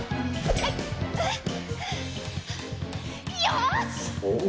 よし！